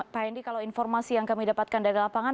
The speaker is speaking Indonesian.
pak hendy kalau informasi yang kami dapatkan dari lapangan